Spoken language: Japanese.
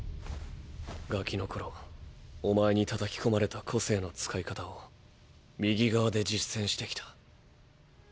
ガキの頃おまえに叩き込まれた個性の使い方を右側で実践してきた。